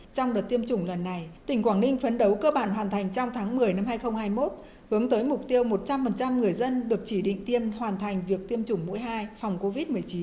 trong đợt tiêm chủng lần này tỉnh quảng ninh phấn đấu cơ bản hoàn thành trong tháng một mươi năm hai nghìn hai mươi một hướng tới mục tiêu một trăm linh người dân được chỉ định tiêm hoàn thành việc tiêm chủng mũi hai phòng covid một mươi chín